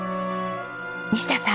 西田さん。